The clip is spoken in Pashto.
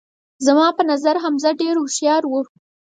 زما په نظر حمزه ډیر هوښیار وو